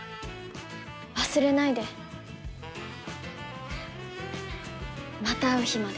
忘れないでまたう日まで。